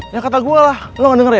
ya kata gue lah lo gak denger ya